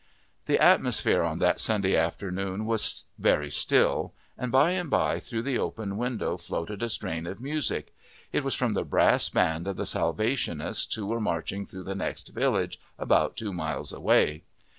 The atmosphere on that Sunday afternoon was very still, and by and by through the open window floated a strain of music; it was from the brass band of the Salvationists who were marching through the next village, about two miles away.